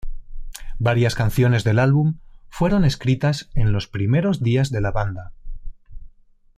Varias canciones del álbum fueron escritas en los primeros días de la banda.